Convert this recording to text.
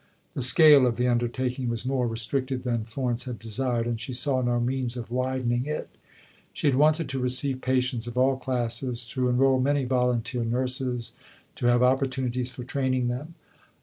The scale of the undertaking was more restricted than Florence had desired, and she saw no means of widening it. She had wanted to receive patients of all classes, to enrol many volunteer nurses, to have opportunities for training them.